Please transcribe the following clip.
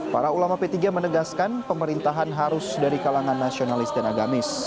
para ulama p tiga menegaskan pemerintahan harus dari kalangan nasionalis dan agamis